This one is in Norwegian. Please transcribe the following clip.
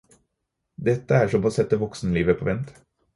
Dette er som å sette voksenlivet på vent.